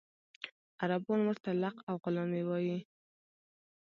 عربان ورته لق او غلامي وایي.